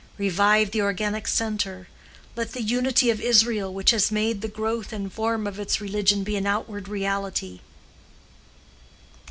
Revive the organic centre: let the unity of Israel which has made the growth and form of its religion be an outward reality.